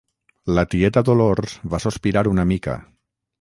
La tieta Dolors va sospirar una mica.